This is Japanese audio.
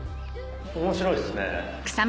面白いっすね